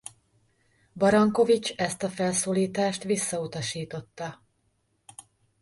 Barankovics ezt a felszólítást visszautasította.